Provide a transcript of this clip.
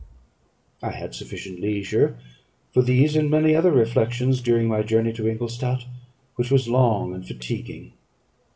I had sufficient leisure for these and many other reflections during my journey to Ingolstadt, which was long and fatiguing.